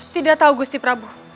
tidak tahu gusti prabu